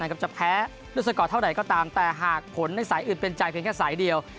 จะแพ้ด้วยสกอร์เท่าไหร่ก็ตามแต่หากผลในสายอื่นเป็นใจเพียงแค่สายเดียว